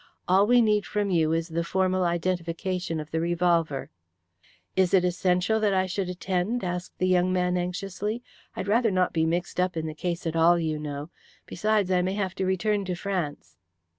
All we need from you is the formal identification of the revolver." "Is it essential that I should attend?" asked the young man anxiously. "I'd rather not be mixed up in the case at all, you know. Besides, I may have to return to France."